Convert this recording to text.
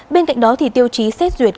bên cạnh đó thì tiêu chí xét duyệt